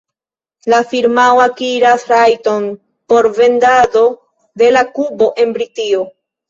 La firmao akiras rajton por vendado de la kubo en Britio.